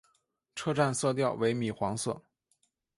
车站色调为米黄色。